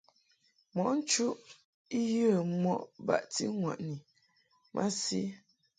Mɔʼ nchuʼ I yə mɔʼ baʼti ŋwaʼni masi.